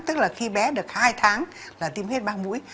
tức là khi bé được hai tháng là tiêm hết ba mũi